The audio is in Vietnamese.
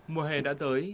mùa hè đã tới